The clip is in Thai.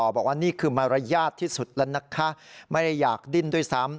บอกว่านี่คือมารยาทที่สุดแล้วนะคะไม่ได้อยากดิ้นด้วยซ้ำ